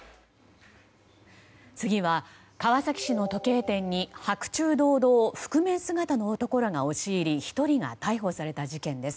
次は、川崎市の時計店に白昼堂々覆面姿の男らが押し入り１人が逮捕された事件です。